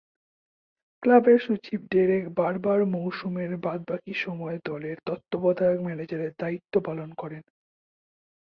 ক্লাবের সচিব ডেরেক বারবার মৌসুমের বাদ-বাকী সময় দলের তত্ত্বাবধায়ক ম্যানেজারের দায়িত্ব পালন করেন।